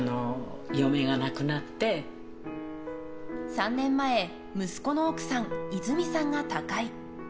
３年前、息子の奥さん和泉さんが他界。